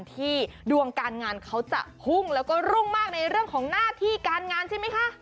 ดวงการงานเขาจะพุ่งแล้วก็รุ่งมากในเรื่องของหน้าที่การงานใช่ไหมคะ